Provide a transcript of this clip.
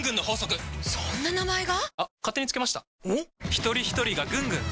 ひとりひとりがぐんぐん！